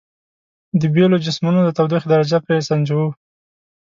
د بیلو جسمونو د تودوخې درجه پرې سنجوو.